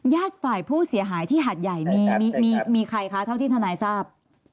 ญาติฝ่ายผู้เสียหายที่หัดใหญ่มีใครคะเท่าที่ทนายทราบ